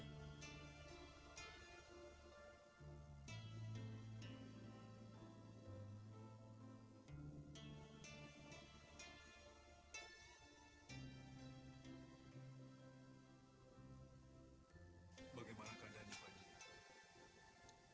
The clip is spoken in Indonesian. bagaimana keadaanmu pak haji